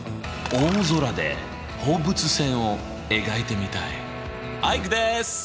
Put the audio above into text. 大空で放物線を描いてみたいアイクです！